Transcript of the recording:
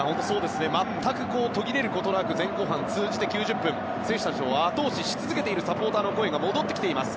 全く途切れることなく前後半通じて９０分選手たちを後押しし続けているサポーターの声が戻ってきています。